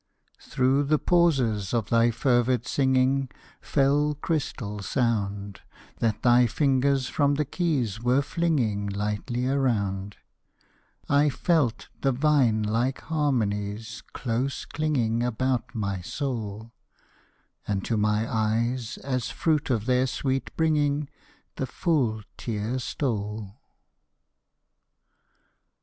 Through the pauses of thy fervid singing Fell crystal sound That thy fingers from the keys were flinging Lightly around: I felt the vine like harmonies close clinging About my soul; And to my eyes, as fruit of their sweet bringing, The full tear stole!